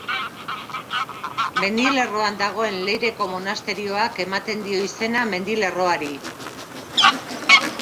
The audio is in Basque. Mendilerroan dagoen Leireko monasterioak ematen dio izena mendilerroari.